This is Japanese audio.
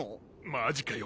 マジかよ。